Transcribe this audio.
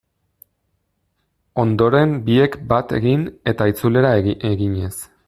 Ondoren biek bat egin eta itzulera eginez.